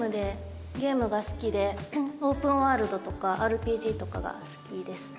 ゲームが好きでオープンワールドとかＲＰＧとかが好きです。